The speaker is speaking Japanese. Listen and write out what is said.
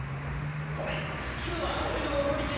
ごめん今日は俺のおごりで。